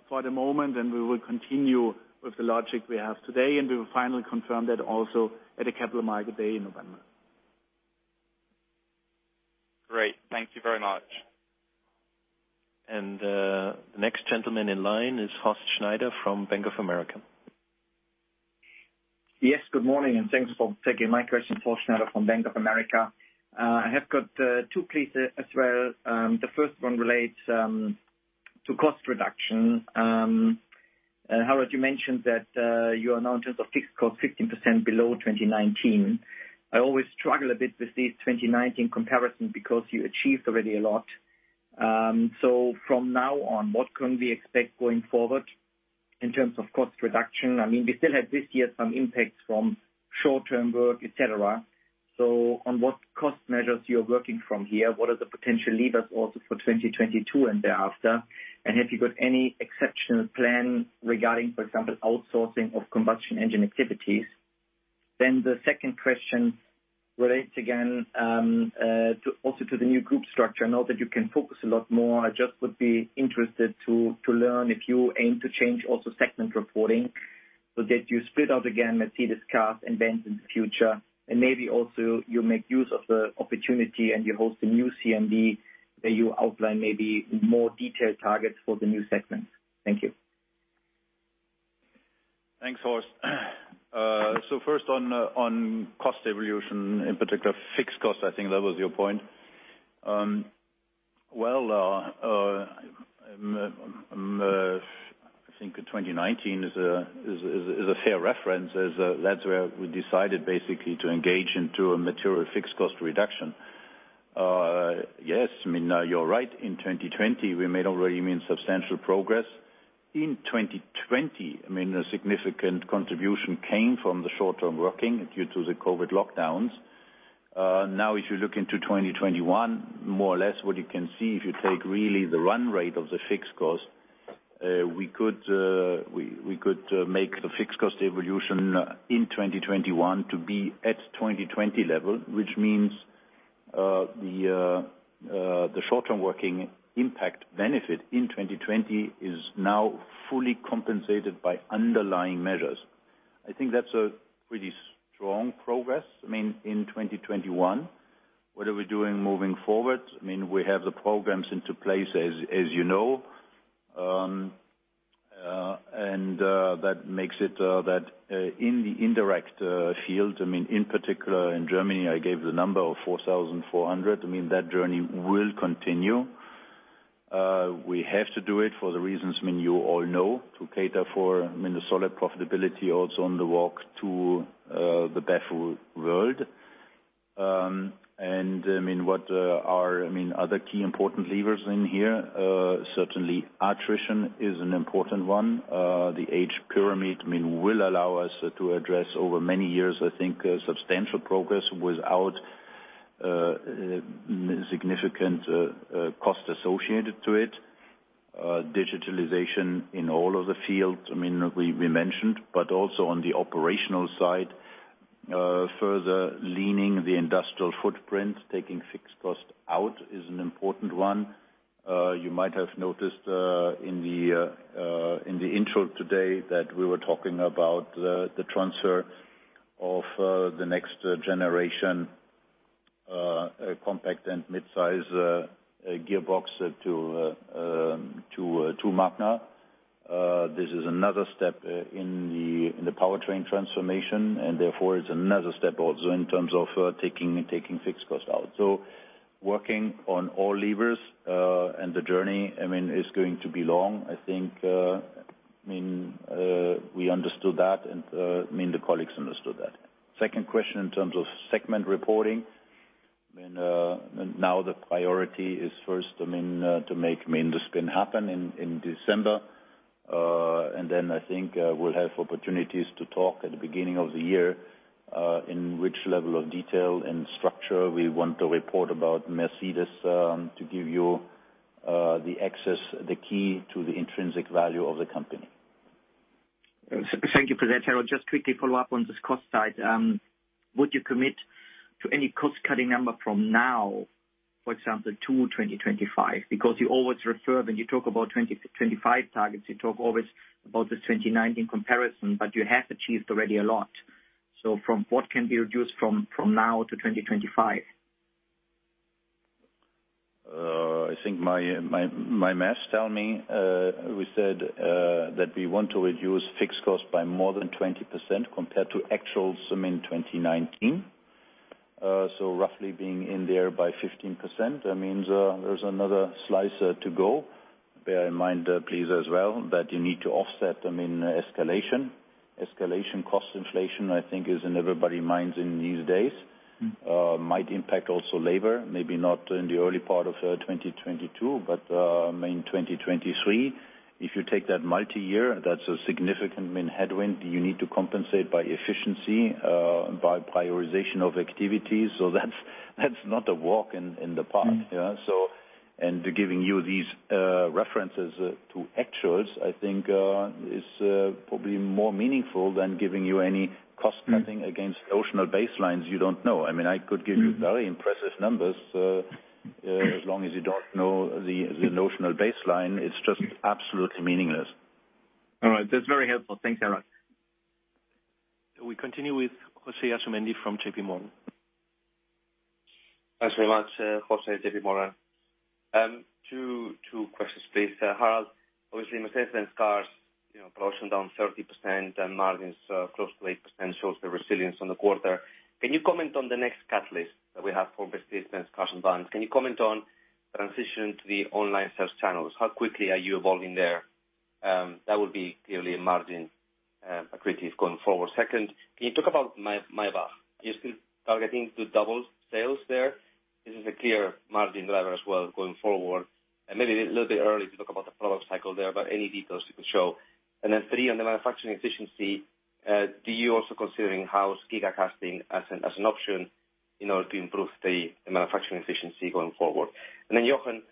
for the moment. We will continue with the logic we have today, and we will finally confirm that also at the Capital Markets Day in November. Great. Thank you very much. The next gentleman in line is Horst Schneider from Bank of America. Yes, good morning, and thanks for taking my question. Horst Schneider from Bank of America. I have got two, please, as well. The first one relates to cost reduction. Harald, you mentioned that you are now in terms of fixed cost 15% below 2019. I always struggle a bit with these 2019 comparisons because you achieved already a lot. From now on, what can we expect going forward in terms of cost reduction? I mean, we still had this year some impacts from short-term work, et cetera. On what cost measures you are working from here, what are the potential levers also for 2022 and thereafter? And have you got any exceptional plan regarding, for example, outsourcing of combustion engine activities? The second question relates again to also to the new group structure. I know that you can focus a lot more. I just would be interested to learn if you aim to change also segment reporting so that you split out again Mercedes-Benz Cars & Vans in the future, and maybe also you make use of the opportunity and you host a new CMD, that you outline maybe more detailed targets for the new segments. Thank you. Thanks, Horst. First on cost evolution, in particular fixed cost, I think that was your point. Well, I think 2019 is a fair reference, as that's where we decided basically to engage into a material fixed cost reduction. Yes, I mean, you're right. In 2020, we made already, I mean, substantial progress. In 2020, I mean, a significant contribution came from the short-time working due to the COVID lockdowns. Now if you look into 2021, more or less what you can see, if you take really the run rate of the fixed cost, we could make the fixed cost evolution in 2021 to be at 2020 level, which means, the short-time working impact benefit in 2020 is now fully compensated by underlying measures. I think that's a pretty strong progress, I mean, in 2021. What are we doing moving forward? I mean, we have the programs in place, as you know. That makes it in the indirect field, I mean, in particular in Germany. I gave the number of 4,400. I mean, that journey will continue. We have to do it for the reasons, I mean, you all know, to cater for, I mean, the solid profitability also on the walk to the BEV world. I mean, what are other key important levers in here? Certainly attrition is an important one. The age pyramid, I mean, will allow us to address over many years, I think, a substantial progress without significant cost associated to it. Digitalization in all of the fields, I mean, we mentioned, but also on the operational side, further leaning the industrial footprint, taking fixed cost out is an important one. You might have noticed in the intro today that we were talking about the transfer of the next generation compact and mid-size gearbox to Magna. This is another step in the powertrain transformation, and therefore it's another step also in terms of taking fixed costs out. Working on all levers, and the journey, I mean, is going to be long. I think, I mean, we understood that and, I mean, the colleagues understood that. Second question in terms of segment reporting. I mean, now the priority is first, I mean, to make the spin happen in December. Then I think, we'll have opportunities to talk at the beginning of the year, in which level of detail and structure we want to report about Mercedes, to give you the access, the key to the intrinsic value of the company. Thank you for that, Harald. Just quickly follow up on this cost side. Would you commit to any cost-cutting number from now, for example, to 2025? Because you always refer when you talk about 2025 targets, you talk always about the 2019 comparison, but you have achieved already a lot. From what can be reduced from now to 2025? I think my maths tell me we said that we want to reduce fixed costs by more than 20% compared to actuals in 2019. Roughly being in there by 15%, that means there's another slice to go. Bear in mind, please as well, that you need to offset, I mean, escalation cost inflation. I think is in everybody's minds these days. Might impact also labor, maybe not in the early part of 2022, but maybe in 2023. If you take that multiyear, that's a significant, I mean, headwind you need to compensate by efficiency, by prioritization of activities. That's not a walk in the park. Yeah. Giving you these references to actuals, I think, is probably more meaningful than giving you any cost cutting against notional baselines you don't know. I mean, I could give you very impressive numbers as long as you don't know the notional baseline, it's just absolutely meaningless. All right. That's very helpful. Thanks, Harald. We continue with José Asumendi from JPMorgan. Thanks very much. José, JPMorgan. Two questions, please. Harald, obviously, Mercedes-Benz cars, you know, production down 30% and margins close to 8% shows the resilience on the quarter. Can you comment on the next catalyst that we have for Mercedes-Benz cars and vans? Can you comment on transition to the online sales channels? How quickly are you evolving there? That would be clearly a margin accretive going forward. Second, can you talk about Maybach? You're still targeting to double sales there. This is a clear margin driver as well going forward. Maybe a little bit early to talk about the product cycle there, but any details you can show. Then three, on the manufacturing efficiency, do you also considering how giga casting as an option in order to improve the manufacturing efficiency going forward? Jochen,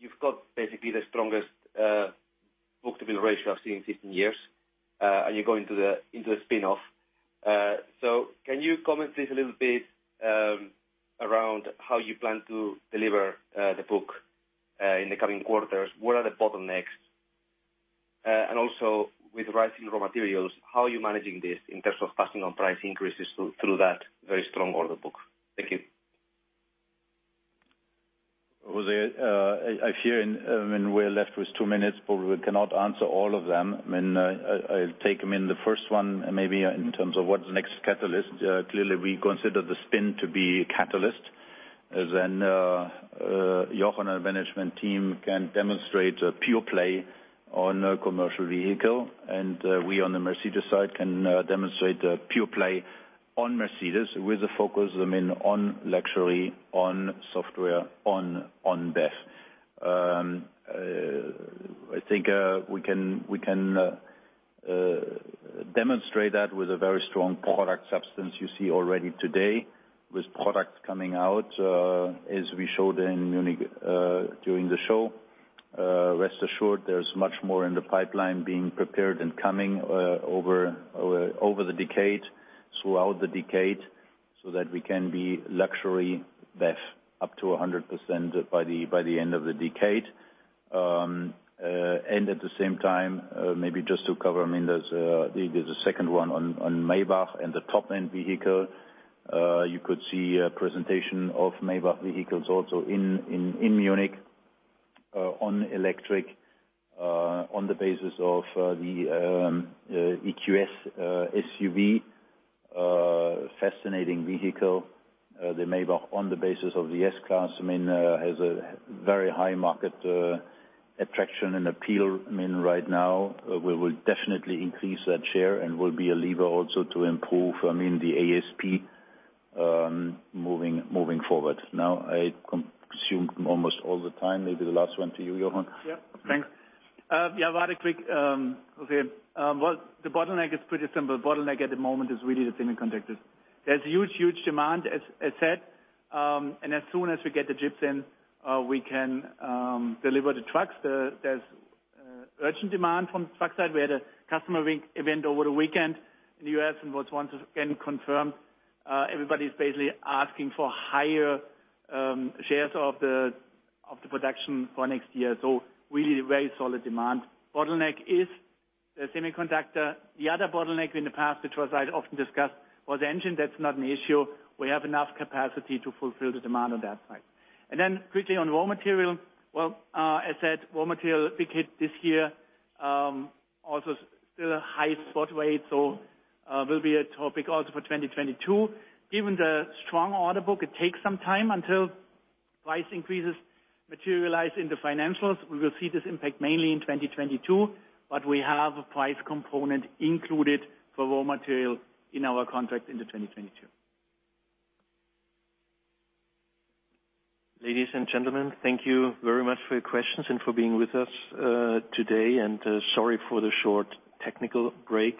you've got basically the strongest book-to-bill ratio I've seen in 15 years. You go into the spin-off. Can you comment please a little bit around how you plan to deliver the book in the coming quarters? What are the bottlenecks? Also with rising raw materials, how are you managing this in terms of passing on price increases through that very strong order book? Thank you. Jose, I fear, I mean, we're left with two minutes, but we cannot answer all of them. I mean, I'll take the first one maybe in terms of what's the next catalyst. Clearly, we consider the spin to be a catalyst. Then Jochen and management team can demonstrate a pure play on a commercial vehicle. We on the Mercedes side can demonstrate a pure play on Mercedes with a focus, I mean, on luxury, on software, on BEV. I think we can demonstrate that with a very strong product substance you see already today with products coming out, as we showed in Munich during the show. Rest assured there's much more in the pipeline being prepared and coming over the decade, throughout the decade, so that we can be luxury BEV up to 100% by the end of the decade. At the same time, maybe just to cover, I mean, there's the second one on Maybach and the top-end vehicle. You could see a presentation of Maybach vehicles also in Munich on electric on the basis of the EQS SUV, fascinating vehicle. The Maybach on the basis of the S-Class, I mean, has a very high market attraction and appeal. I mean, right now, we will definitely increase that share and will be a lever also to improve the ASP moving forward. Now, I consumed almost all the time. Maybe the last one to you, Jochen. Yep. Thanks. Yeah, very quick. Okay. Well, the bottleneck is pretty simple. Bottleneck at the moment is really the semiconductors. There's huge demand, as said. And as soon as we get the chips in, we can deliver the trucks. There's urgent demand from the truck side. We had a customer week event over the weekend in the U.S., and it was once again confirmed, everybody is basically asking for higher shares of the production for next year. So really very solid demand. Bottleneck is the semiconductor. The other bottleneck in the past, which I'd often discussed, was the engine. That's not an issue. We have enough capacity to fulfill the demand on that side. Then quickly on raw material. Well, as said, raw material big hit this year, also still a high spot rate. Will be a topic also for 2022. Given the strong order book, it takes some time until price increases materialize in the financials. We will see this impact mainly in 2022, but we have a price component included for raw material in our contract into 2022. Ladies and gentlemen, thank you very much for your questions and for being with us today. Sorry for the short technical break.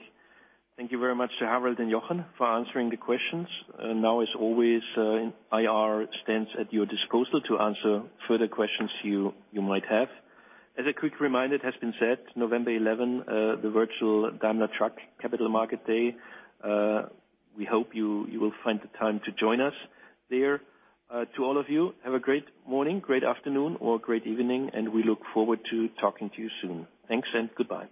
Thank you very much to Harald and Jochen for answering the questions. Now, as always, IR stands at your disposal to answer further questions you might have. As a quick reminder, it has been said, November 11, the virtual Daimler Truck Capital Market Day. We hope you will find the time to join us there. To all of you, have a great morning, great afternoon or great evening, and we look forward to talking to you soon. Thanks and goodbye.